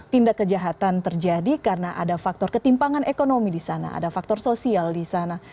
tindak kejahatan terjadi karena ada faktor ketimpangan ekonomi di sana ada faktor sosial di sana